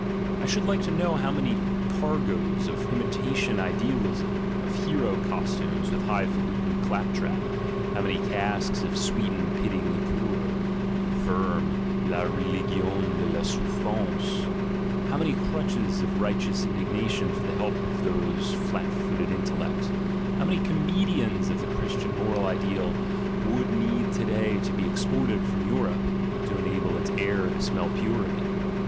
I should like to know how many cargoes of imitation ideal ism, of hero costumes and high falutin' clap trap, how many casks of sweetened pity liqueur (Firm: la religion de la souffrance), how many crutches of righteous indig nation for the help of these flat footed intellects, how many comedians of the Christian moral ideal would need to day to be exported from Europe, to enable its air to smell pure again.